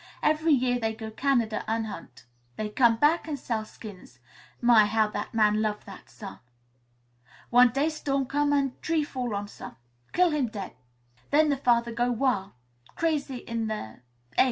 Every year they go Canada an' hunt. Then come back and sell skins. My, how that man love that son! One day storm come an' tree fall on son. Kill him dead. Then the father go wil'; crazy in the 'aid.